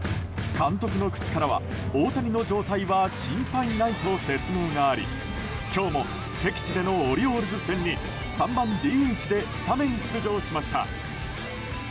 監督の口からは、大谷の状態は心配ないと説明があり今日も敵地でのオリオールズ戦に３番ＤＨでスタメン出場しました。